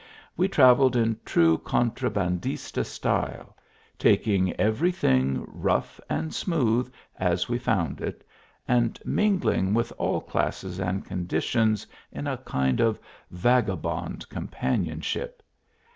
We travelled in true contrabandist* style, tak ing every thing, rough and smooth, as we found it, and mingling with all classes and conditions in a kind of vagabond companionship.